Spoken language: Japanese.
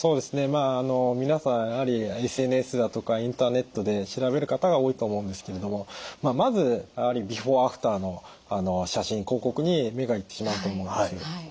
まあ皆さんやはりＳＮＳだとかインターネットで調べる方が多いと思うんですけれどもまずやはりビフォー・アフターの写真広告に目が行ってしまうと思うんです。